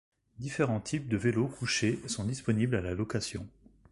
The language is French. Différents types de vélos couchés sont disponibles à la location.